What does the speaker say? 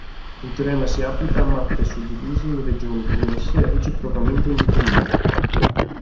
Il teorema si applica a mappe suddivise in regioni connesse e reciprocamente indipendenti.